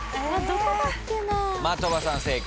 的場さん正解。